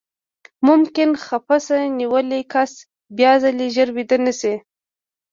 ممکن خپسه نیولی کس بیاځلې ژر ویده نه شي.